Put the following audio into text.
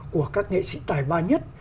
của các nghệ sĩ tài ba nhất